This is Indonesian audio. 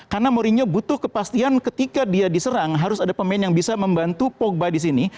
karena mourinho butuh kepastian ketika dia diserang harus ada pemain yang bisa membantu pogba di sini